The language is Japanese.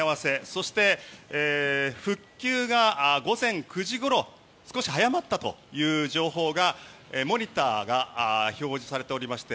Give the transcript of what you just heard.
そして復旧が午前９時ごろ少し早まったという情報がモニターが表示されておりまして